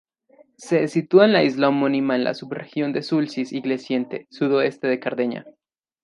Se sitúa en la isla homónima, en la subregión de Sulcis-Iglesiente, sudoeste de Cerdeña.